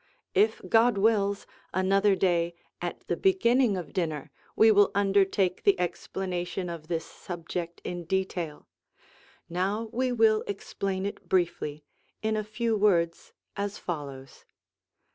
If God wills, another day, at the beginning of dinner, we will under take the explanation of this subject in detail ; now we will explain it briefly, in a few words, as follows.